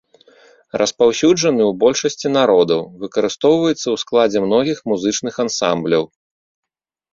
Распаўсюджаны ў большасці народаў, выкарыстоўваецца ў складзе многіх музычных ансамбляў.